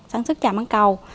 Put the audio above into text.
sản xuất trà mảng cầu